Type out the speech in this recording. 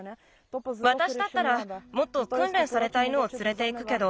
わたしだったらもっとくんれんされた犬をつれていくけど。